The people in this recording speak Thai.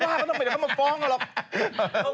เข้าไปว่าก็ต้องไปเรียกเขามะฟ้องเขาหรอก